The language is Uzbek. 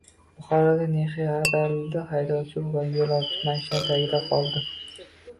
Buxoroda Nexia ag‘darildi, haydovchi va yo‘lovchi mashina tagida qoldi